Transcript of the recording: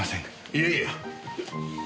いえいえ。